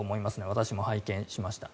私も拝見しました。